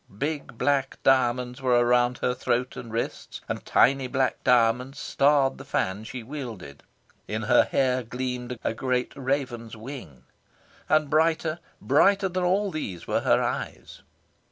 Big black diamonds were around her throat and wrists, and tiny black diamonds starred the fan she wielded. In her hair gleamed a great raven's wing. And brighter, brighter than all these were her eyes.